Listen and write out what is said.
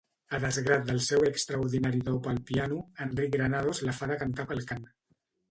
A desgrat del seu extraordinari do pel piano, Enric Granados la fa decantar pel cant.